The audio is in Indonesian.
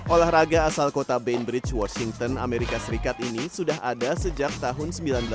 olahraga asal kota bainbridge washington amerika serikat ini sudah ada sejak tahun seribu sembilan ratus enam puluh lima